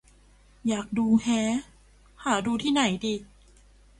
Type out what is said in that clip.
อยากดู แฮะ หาดูที่ไหนดี